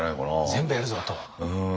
全部やるぞと。